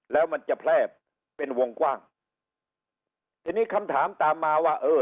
แล้วมันจะแพร่เป็นวงกว้างทีนี้คำถามตามมาว่าเออ